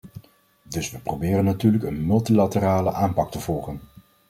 Dus we proberen natuurlijk een multilaterale aanpak te volgen.